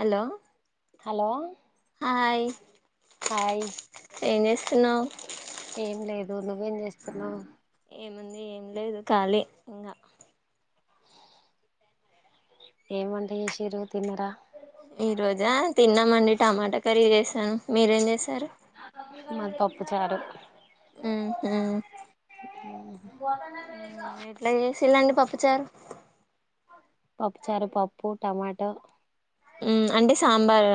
hello hello hi hi ఏం చే తిన్నావ ఏం లేదు నువ్వేం చేస్తున్నావు ఏముంది ఏం లేదు ఖాళీ ఇంగా ఏం వంట చేసిరూ తిన్నరా ఈ రోజా తిన్నామండి టమాటా కర్రీ చేసాను మీరేం చేసారు మాది పప్పుచారు ఉ హు హ్మ ఎట్లా చేసిలండి పప్పుచారు పప్పుచారు పప్పు టమాట అంటే సాంబార్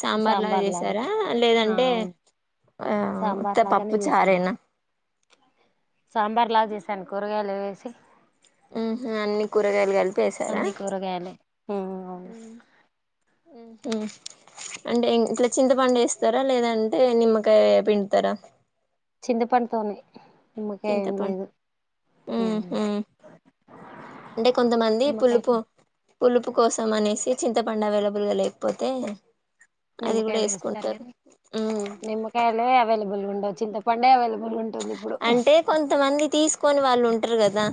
సాంబార్ లా చేసారా ఆ లేదంటే అవును ఉత్త సాంబార్ పప్పు లాగానే చేశాను చారేనా సాంబార్ లాగా చేశాను కూరగాయలు వేసి అన్ని కూరగాయలు కలిపేశారా అన్ని కూరగాయలే ఉమ్, అవును ఆ అంటే ఇట్లా చింతపండు వేస్తారా లేదంటే నిమ్మకాయ పిండుతారా చింత పడుతోనే చింతపండు హు ఉమ్, హు అంటే కొంతమంది నిమ్మకాయ పులుపు పులుపు కోసం అనేసి చింతపండు అవైలబుల్ గా లేకపోతే అది నిమ్మకాయ కూడా వేస్తారు వేసుకుంటారు గాని ఉమ్ నిమ్మకాయలే అవైలబుల్ ఉండాదు చింత పండే అవైలబుల్ ఉండ అంటే కొంతమంది తీసుకొని వాళ్ళు ఉంటారు కదా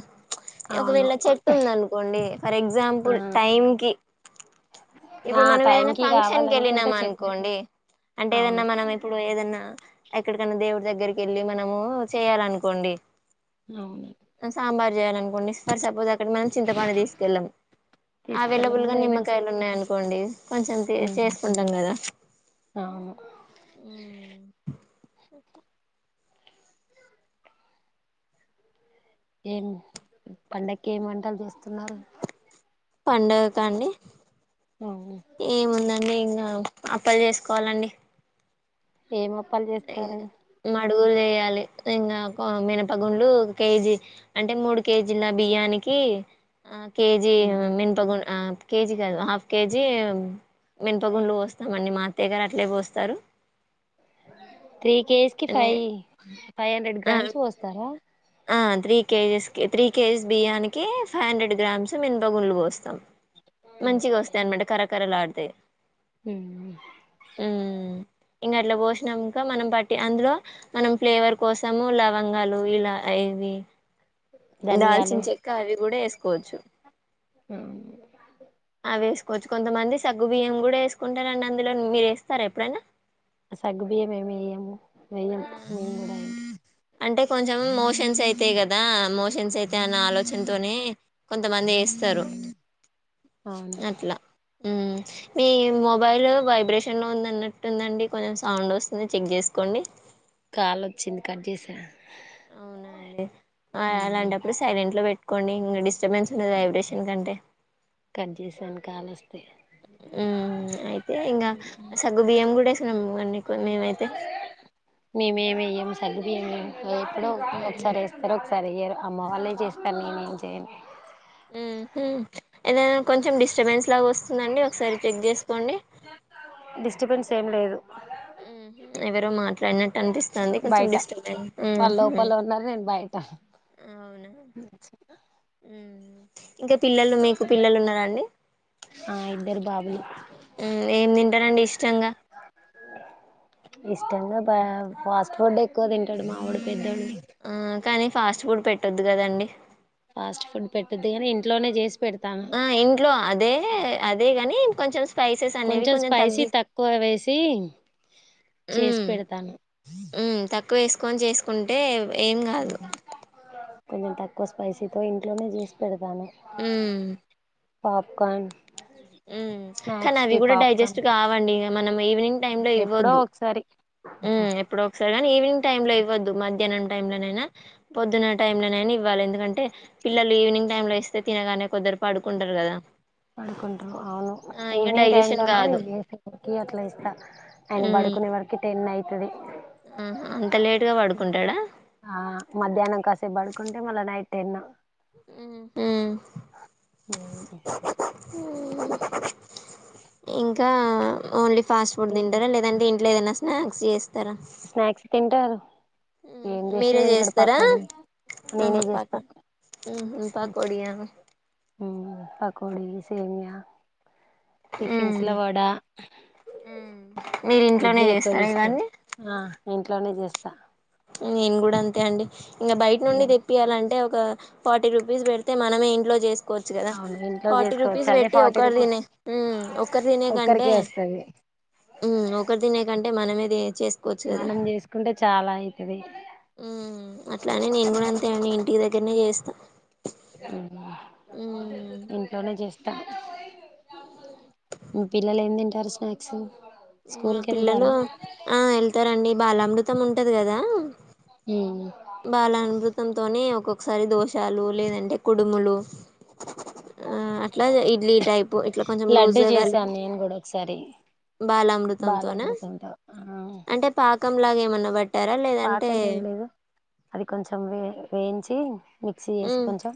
అవును ఒకవేళ చెట్టు ఉంది అనుకోండి ఫర్ ఆ ఎగ్జాంపుల్ టైం కి ఇప్పుడు ఆ మనం ఏదైనా టైంకి ఫంక్షన్ కి కావాలనుకుంటే వెళ్ళినామ చెట్టు అనుకోండి అంటే ఏదన్నా అవును మనం ఇప్పుడు ఏదన్నా ఎక్కడికన్నా దేవుడ్ డిదగ్గరికి వెళ్ళి మనము చేయ్యాలనుకోండి అవును చేయాలి అనుకోండి ఫర్ సపోజ్ అక్కడ మనం చింతపండూ తీసుకెళ్లం అవైలబుల్ తీసుకెళ్ళము గా లెమన్స్ నిమ్మకాయలు ఉన్నాయి ఆన్ కోండి కొంచెం అవును చేసుకుంటాం కదా ఒకే ఏం పండకి ఏమి వంటలు చేస్తున్నారు పండగ కా అండి ఏముందండి ఇంకా అప్పలు చేసుకోవాలండి ఏం అప్పలు చేస్తారు డుగులు చేయాలి ఇంగా మినపగుండ్లు ఒక కేజీ అంటే మూడు కేజీల బియ్యానికి కి ఆ కేజీ మన్పగుం ఆ కేజీ కాదు హాఫ్ కేజీ మినపగుండ్లు పోస్తామండి మా అత్తయ్య గారు అట్లే పోస్తారు త్రీ కేజీస్ కి ఫైవ్ ఫైవ్ హండ్రెడ్ ఆ గ్రామ్స్ పోస్తారా ఆ త్రీ కేజీస్ కి త్రీ కేజీస్ బియ్యానికి ఫైవ్ హండ్రెడ్ గ్రామ్స్ మినపగుండ్లు పోస్తాం మంచిగా వస్తాయ్ అనమాట కరకరలాడుతాయి హ్మ ఇంకా అట్లా పోషినకా మనం బట్టి అందులో మనం ఫ్లేవర్ కోసము లవంగాలు ఇలా ఇవి ధనియాలు దాల్చిన చెక్క అవి కూడా వేసుకోవచ్చు అవి వేసుకోవచ్చు కొంతమంది సగ్గు బియ్యం కూడా వేసుకుంటారండి అందులో మీరు వేస్తారా ఎప్పుడైనా సగ్గుబియ్యం ఏమియ్యము వెయ్యం ఆ మేం కూడా అంటే కొంచెం మోషన్స్ అయితే కదా మోషన్స్ అయితే అన్న ఆలోచనతోనే కొంతమంది వేస్తరు అవును అట్లా హ్మ్ మిమ్ మొబైల్ వైబ్రేషన్లో ఉందిన్నట్టుందండి కొంచెం సౌండ్ వస్తుంది చెక్ చేసుకోండి కాలు వచ్చింది కట్ చేసా అవునా అండి అలాంటప్పుడు సైలెంట్ లో పెట్టుకోండి ఇంకా డిస్ చేపచు కదా వై్రషన్ కంటే కట్ చేసాను కాల్ వస్తే హ్మ్ అయితే ఇంకా సగ్గు బియ్యం కూడా వేస్తున్నాం కొన్ని మేమైతే మేమేమెయ్యం సగ్గు బియ్యం ఎప్పుడో మ్మ్ ఒకసారి వేస్తార ఒకసారి సరే వెయ్యారు అమ్మ వాళ్ళే చేస్తారు నేనేం చేయను హ్మ హ్మ ఏదన్నా కొంచెం డిస్టర్బెన్స్ అట్లాగ వస్తుందండి ఒకసారి చెక్ చేసుకోండి చేం లేదు ఎవరో మాట్లాడినట్టు అనిపిస్తుంది కొంచెం బయట డిస్టర్బ్ హ్మ్ హ్మ టా మ్మ్ ఇంకా పిల్లలు మీకు పిల్లలు ఉన్నారా అండి ఆ ఇద్దరు బాబులు ఏం తింటారండి ఇష్టంగా ఇష్టంగా ప ఫాస్ట్ ఫుడ్ ఎక్కువ తింటాడు మావాడు పెద్దడు ఆ కానీ ఫాస్ట్ ఫుడ్ పెట్టొద్దు కద అండి ఫాస్ట్ ఫుడ్ పెట్టదు కానీ ఇంట్లోనే చేసి పెడతాను ఆ ఇంట్లో అదే అదే గాని కొంచెం స్పైసెస్ అనేవి కొంచెం స్పైసీ తగ్గి తక్కువ వేసి చేసి పెడతాను ఎక్కువ వేసుకొని చేసుకుంటే ఏం గాదు కొంచెం తక్కువ స్పైసి తో ఇంట్లోనే చేసి పెడత ఉమ్ పాప్కాన్ ఉమ్ కానీ అవి కూడా పాప్కార్న్ డైజెస్ట్ కావాలి మనం ఈవినింగ్ టైం లో ఎప్పుడో ఇవ్వొద్దు ఒకసారి ఇప్పుడ ఒకసరిగాని ఈవినింగ్ టైమ్ లో ఇవ్వద్దు మధ్యాహ్నం టై లోనైనా పొద్దున టైమ్ లోనైనా ఇవ్వాలి ఎందుకంటే పిల్లలు ఈవినింగ్ టై లో ఇస్తే తినగానే కొందరు పడుకుంటారు కదా పడుకుంటారు అవును ఆ ఇంగ ఈవినింగ్ టైమ్ లో డైజెషన్ అంటే కాదు ఏసకి అట్లా ఇస్తా ఆయన పడు హ్మ్ కునే వరికి టైల్ అయితుది ఆహా అంత లేటుగా పడుకుంటాడా ఆ మధ్యాహ్నం కాసే బడు కొంట మళ్ల నైట్ టెన్ ఉమ్ ఇంకా ఓన్లీ ఫాస్ట్ ఫుడ్ ఏం చేస్త తింటారా లేదంటే ఇంట్లో ఏదన్న స్నాక్స్ చేస్తారా స్నాక్స్ తింటారు ఏం చేసినా తింటాడు పకోడి నేనే చేస్తా హు పకొడి అనో హు పకొడి సెమీయా టిఫిన్స్ లో వడ మీరు ఇంట్లోనే ఇడ్లీ ఎక్కువ చేస్తారా తీసుకోరు ఇవన్నీ ఆ ఇంట్లోనే చేస్త నేను గూడా అంతే అండి ఇంకా బయట నుండి ఇగ- తెప్పియాలంటే ఫర్టీ రుపీస్ పెడితే మనమే ఇంట్లో చేస్త కోవచ్చు కదా అవును ఇంట్లో ఫార్టీ చేసుకోవచ్చు రూపీస్ అదే పెట్టి ఫార్టీ ఒకరు రూపీస్ తినే ఒకరు తినే కంటే ఒక్కరికే వస్తది ఉమ్ ఒకటి తినే కంటే మనమేది చేసుకోవచ్చు కదా మనం చేసుకుంటే చాలా అయితది ఉ అట్లానే నేను కూడా అంతే నేను ఇంటికి దగ్గరనే చేస్తా ఉమ్ ఇంట్లోనే చేస్తా పిల్లలు ఏం తింటారు స్నాక్స్ మా స్కూల్ కెళ్తారా పిల్లలు ఆ వెళ్తారండి బాల అమృతం ఉంటది కదా ఉమ్ బాల అనుమృతంతోనే ఒక్కొక్కసారి దోస లు లేదంటే కుడుములు ఆ అట్లా ఇడ్లీ టైప్ ఇట్లా కొంచెం లూజ్ లడ్డు గా కలిపి చేశాను నేను కూడా ఒకసారి బాల బాలామృతంతోనా అమృతంతో ఆ అంటే పా పుక్కం లాగా ఏమన్నా పట్టారా లేదంటే పాకం ఏం లేదు అది కొంచెం వే వేయించి మిక్సీ చేసి ఉమ్ కొంచెం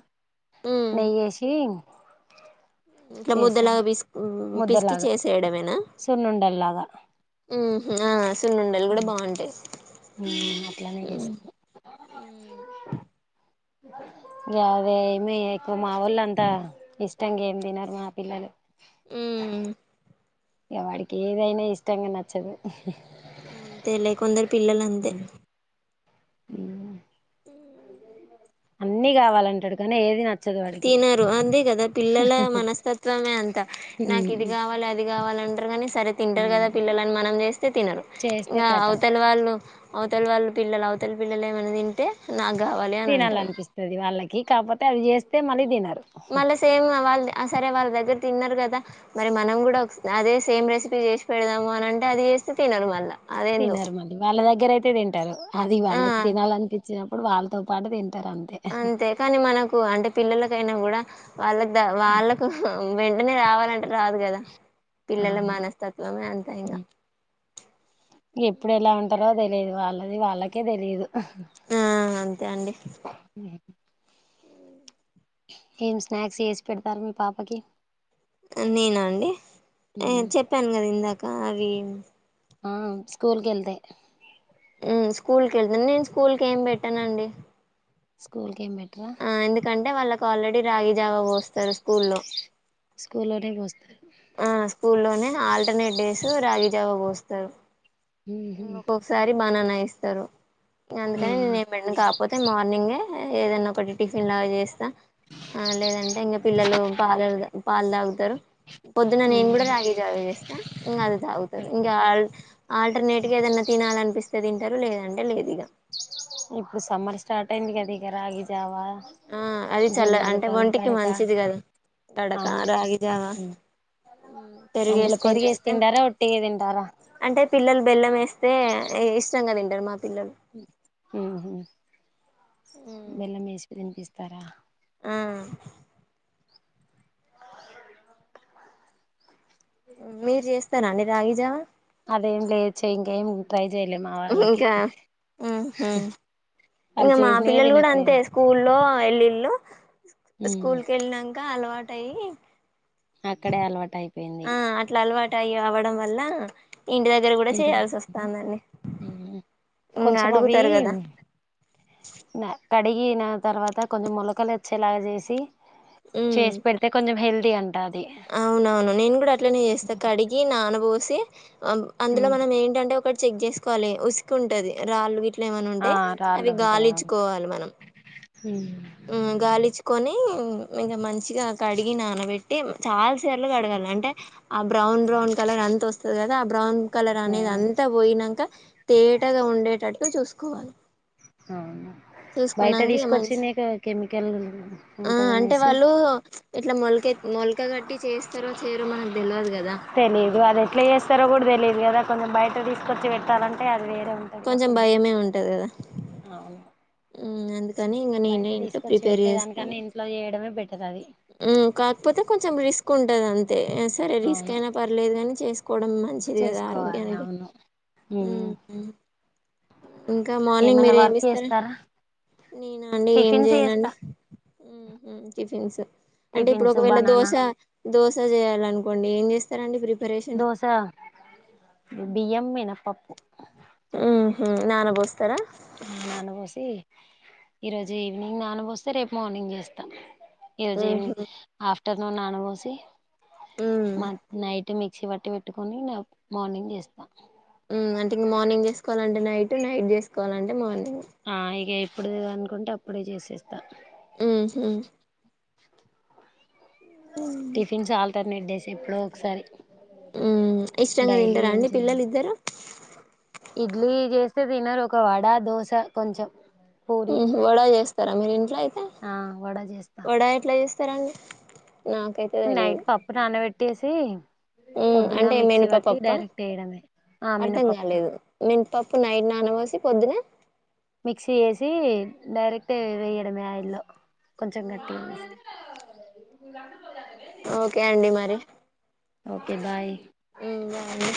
ఉమ్ నెయ్యేసి ఇట్లా ముద్దలాగా చేశాను పిస్ పిస్కి ముద్దలాగా చేసేయడమేనా సున్నుండల్లాగా ఉమ్ హా హు అట్లనే ఉమ్ చేస్త అదే అదే ఏమి ఎక్కువ మాఊళ్ళు అంతా ఇష్ట ఇష్టంగ ఏం తినరు మా పిల్లలు ఉమ్ ఇక వాడికి ఏదైనా ఇష్టంగా నచ్చదు అంతే కొందరు పిల్లలు అంతే అన్ని కావాలంటాడు కానీ ఏది న తినరు అంతే కదా పిల్లల మనస్తత్వమే అంత నాకు ఇది ఉమ్ కావాలి అది కావాలి తింటారు కానీ సరే తింటారు కదా పిల్లలని మనం చేస్తే తినరు చేస్తే ఇంకా కతం అవతలి వాళ్ళు అవతల వాళ్ళ పిల్లలు అవతల పిల్లలు ఏమనా తింటే నా తినాలనిపిస్తుంది వాళ్ళకి కాకపోతే అది మళ్ళీ తినరు మళ్ళా సేమ్ వాళ్ళు సరే వాళ్ళ దగ్గర తిన్నారు కదా మరి మనం కూడా అదే సేమ్ రెసిపీ చేసి పెడదాము అని అంటే అది చేస్తే తినరు మళ్ళ తినరు మళ్ వాళ్ళ దగ్గర అయితే తింటారు అది వాళ్ళకి ఆ తినాలినిపించినప్పుడు వాళ్ళతో పాటు తింటారు అంతే కానీ మనకు అంటే పిల్లలకైనా కూడా వాళ్ళకి ద వాళ్ళకు వెంటనే రావాలంటే రాదు కదా పిల్లల అవును మనస్తత్వమే అంత ఇంగా ఎప్పుడు ఎలా ఉంటారో తెలియదు వాళ్ళది వాళ్ళకే తెలియదు ఆ అంతే అండి ఏం స్నాక్స్ వేసి పెడతారు మీ పాపకి నేన అండి చెప్పాను కదా ఇందాక అవి ఆ స్కూల్కి వెళ్తే స్కూల్ కి వే నేను స్కూల్ కి ఏం పెట్టానండి స్కూల్ కి ఏం బె ఆ ఎందుకంటే వాళ్ళకి ఆల్రెడీ రాగి జావా పోస్తారు స్కూల్లో స్కూల్ లోనే పోస్తారు ఆ ఆ స్కూల్లోనే ఆల్టర్నేట్ డేస్ రాగి జావ పోస్తారు ఇం ఒక్కొక్కసారి బానానా ఇస్తారు ఇంక అందుకని నేను ఏనా కాకపోతే మార్నింగే ఏదన్న ఒకటి టిఫిన్ లాగా చేస్తా ఆ లేదంటే ఇంకా పిల్లలు పాలలు పాలు తాగుతారు పొద్దున నేను కూడా రాగి జావే చేస్తా ఇంకా అది తాగుతారు ఇంకా ఆల్టర్నేట్ ఇకి ఏదన్నా తినాలనిపిస్తే తింటారు లేదంటే లేదు ఇక ఇప్పుడు సమ్మర్ స్టార్ట్ అయింది కదా ఇక రాగి జావా ఆ అది చల్ల అంటే జొన్నలతోని ఒంటికి గడక మంచిది కదా కడక అవును రాగిజవా అందులో పెరిగేసి తింటారా ఒట్టిగా తింటారా అంటే పిల్లలు బెల్లం వేస్తే ఇష్టం తింటారు మా పిల్లలు బెల్లం వేసిపి తినిపిస్తారా ఆ మీరు చేస్తార అండి రాగిజావ అదేం లేచ ఇం టై ఇంకా వాళ్ళు ఇంకా మా చేసినవి పిల్లలు కూడా అంతే తినట్లేరు స్కూల్ లో వెలిళ్ళు ఉమ్ స్కూల్కి వెళ్ళినాక అలవాట అయ్యి అక్కడే అలవాటు అయిపోయింది ఆ అట్లా అలవాటు టైమ్యి అవడం వల్ల ఇంటి దగ్గర కూడా చేయాల్సి వస్తుంది అండి కొంచమవి నా కడిగిన తర్వాత కొంచెం ములకలు వచ్చేలాగా చేసి ఉమ్ చేసి పెడితే కొంచెం హెల్తీ అవునవును నేను కూడా అట్లనే చేస్తా కడిగి నాన పోసి అందులో ఉమ్ మనం ఏంటంటే ఒకటి చెక్ చేసుకోవాలి ఉసికే ఉంటది రాళ్ళు ఏమ ఆ ఉంటే రాళ్ళు అవి ఉంటాయి అవును గాలించుకోవాలి మనం ఉమ్ ఆ గాలిచ్చుకొని ఇక మంచిగా కడిగి నానబెట్టి చాలా తేర్లు కడగాళ్ల అంటే ఆ బ్రౌన్ బ్రౌన్ కలర్ అంత వస్తుంది కదా ఆ బ్రౌన్ కలర్ అనేది అంతా పోయినాక తేటగా ఉండేటట్టు చూసుకోవాలి అ బయట చూసుకున్నాంక ఇగ మంచి తీసుకొచ్చినే ది కెమికల్ ఆ అంటే ఉంటదనేసి వాళ్ళు ఇట్లా మొలక మొలక కట్టి చేస్తారో చేరో మనకు తెలియదు కదా తెలియదు అది ఎట్లా చేస్తారో కూడా తెలియదు కదా కొంచెం బయట తీసుకొచ్చి పెట్టాలంటే అది లే కొంచెం భయమే ఉంటది కదా అవును అ కానీ ఇంకా బయట నేను ఇంట్లో తీసుకొచ్చి ప్రిపేర్ పెట్టేదానికన్నా చేస్తాను ఇంట్లో చేయడమే బెటర్ అది కాకపోతే కొంచెం రిస్క్ ఉంటది అంతే సరే రిస్క్ అవును అయినా పర్లేదు కాని చేసుకో కోవ మంచిది కదా కోవాలి ఆరోగ్యానికి అవును మ్మ్ ఇంకా మార్నింగ్ ఏమైనా మీరు ఏమి వర్క్ ఇస్తార అండి చేస్తారా నేనా అండి ఏం టిఫిన్స్ చేస్తా చేయనండి మ్మ్ హ్హ్ టిఫిన్స్ అంటే ఇప్పుడు టిఫిన్స్ ఒకవేళ బనానా దోశ దోస చేయాలనుకోండి ఏం చేస్తారండి మీరు ఇప్పుడు దోశ బియ్యం మినప్పప్పు మ్మ్ హ్ నాన బొస్త ఆ నాన్నబొసి ఈరోజు ఈవినింగ్ నానబొస్తే రేపు మార్నింగ్ చేస్తాను ఈరోజు మ్మ్ ఈవినింగ్ ఆఫ్టర్నూన్ నానబోసి మ్మ్ నైట్ మీక్షి కి పట్టి పెట్టుకొని ఇగా మార్నింగ్ చేస్తా మ్మ్ అంటే ఇంక మార్నింగ్ చేసుకోవాలంటే నైట్ నైట్ చేసుకోవాలంటే మార్నింగ్ ఆ ఇగ ఏప్పుడు అనుకుంటే అప్పుడే చేసేస్తా మ్మ్ హ్హ్ టిఫిన్స్ ఆల్టర్నేట్ చేస్తా ఎప్పుడో ఒకసారి మ్మ్ ఇష్టంగా డైలీ తింటారా ఏం అండి పిల్లలు చేయను ఇద్దరు ఇడ్లీ చేస్తే తినరు ఒక వడ దోశ కొంచెం పూరి మ్మ్ హ్ వడ చేస్తారా మీరు ఇంట్లో అయితే ఆ వడ చేస్తా వడ ఎట్లా చేస్తారండి నాకైతే తెలీదు నైట్ పప్పు నానబెట్టేసి మ్మ్ పొద్దున్న అంటే మిక్సీ మినప బట్టి పప్పా డైరెక్ట్ వేయడమే ఆ మినపప్పుతో పప్పు నైట్ నానపొసి పొద్దున మిక్సీ చేేసి డైరెక్ట్ వేయడమే ఆయిల్లో కొంచెం గట్టిగా చేసుకోవాలి ఓకే అండి మరి ఓకే బాయ్ మ్మ్ బాయ్